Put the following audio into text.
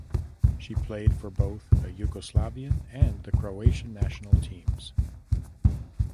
She played for both the Yugoslavian and the Croatian national teams.